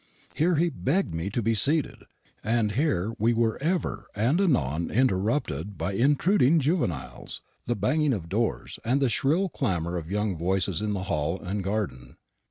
Here he begged me to be seated, and here we were ever and anon interrupted by intruding juveniles, the banging of doors, and the shrill clamour of young voices in the hall and garden.